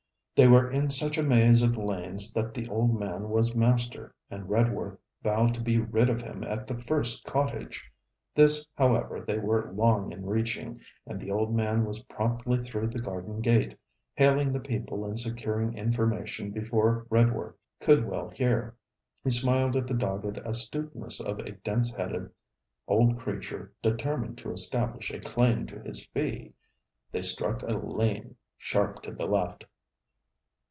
They were in such a maze of lanes that the old man was master, and Redworth vowed to be rid of him at the first cottage. This, however, they were long in reaching, and the old man was promptly through the garden gate, hailing the people and securing 'information, before Redworth could well hear. He smiled at the dogged astuteness of a dense headed old creature determined to establish a claim to his fee. They struck a lane sharp to the left.